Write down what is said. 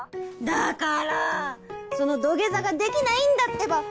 だからその土下座ができないんだってば！